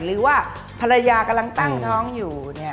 หรือว่าภรรยากำลังตั้งท้องอยู่